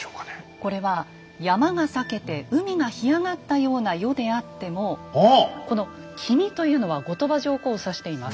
これは山が裂けて海が干上がったような世であってもこの「君」というのは後鳥羽上皇を指しています。